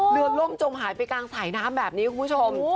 ล่มจมหายไปกลางสายน้ำแบบนี้คุณผู้ชม